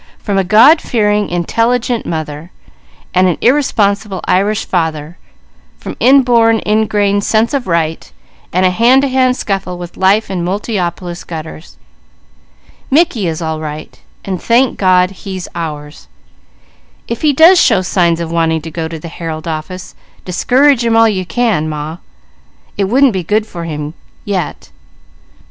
"From a God fearing, intelligent mother, and an irresponsible Irish father, from inborn, ingrained sense of right, and a hand to hand scuffle with life in Multiopolis gutters. Mickey is all right, and thank God, he's ours If he does show signs of wanting to go to the Herald office, discourage him all you can, Ma; it wouldn't be good for him yet."